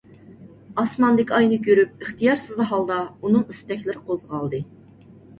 ئاسماندىكى ئاينى كۆرۈپ ئىختىيارسىز ھالدا ئۇنىڭ ئىستەكلىرى قوزغالدى.